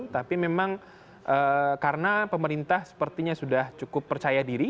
tapi memang karena pemerintah sepertinya sudah cukup percaya diri